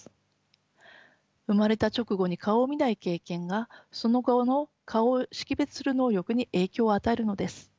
生まれた直後に顔を見ない経験がその後の顔を識別する能力に影響を与えるのです。